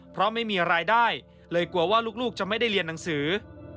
เพราะไม่มีรายได้เลยกลัวว่าลูกจะไม่ได้เรียนหนังสือ